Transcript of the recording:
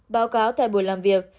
báo cáo tại buổi làm việc